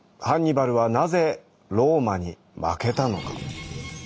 ハンニバルはなぜローマに負けたのか？